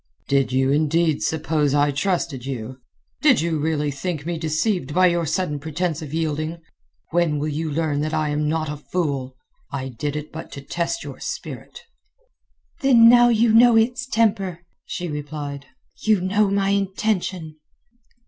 "Did you indeed suppose I trusted you? Did you really think me deceived by your sudden pretence of yielding? When will you learn that I am not a fool? I did it but to test your spirit." "Then now you know its temper," she replied. "You know my intention."